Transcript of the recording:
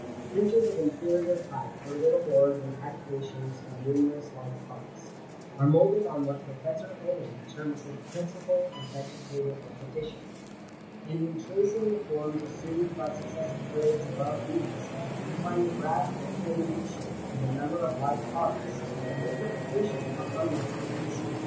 Creatures of inferior type are little more than aggregations of numerous like parts — are moulded on what Professor Owen terms the principle of ve getative repetition ; and in tracing the forms assumed by suc cessive grades above these, we find a gradual diminution in the number of like parts, and a multiplication of unlike ones.